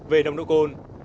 về nồng độ cồn